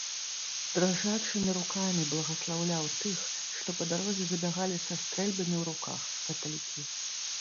Дрыжачымі рукамі благаслаўляў тых, што па дарозе забягалі са стрэльбамі ў руках, каталікі.